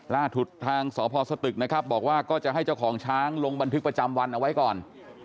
ล่าสุดทางสพสตึกนะครับบอกว่าก็จะให้เจ้าของช้างลงบันทึกประจำวันเอาไว้ก่อน